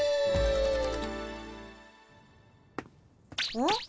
うん？